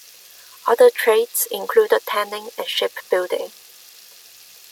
Other trades included tanning and shipbuilding.